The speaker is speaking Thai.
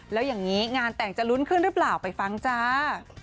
แล้วอย่างนี้งานแต่งจะลุ้นขึ้นหรือเปล่าไปฟังจ้า